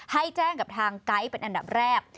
ให้แจ้งกับทางไก๊เป็นอันดับแรก